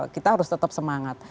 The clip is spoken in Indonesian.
kita harus tetap semangat